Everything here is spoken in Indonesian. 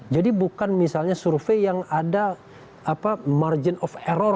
jadi bukan misalnya survei yang ada margin of error